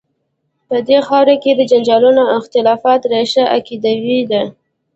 په دې خاوره کې د جنجالونو او اختلافات ریښه عقیدوي ده.